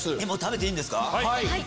もう食べていいんですか。